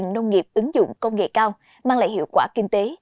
nông nghiệp ứng dụng công nghệ cao mang lại hiệu quả kinh tế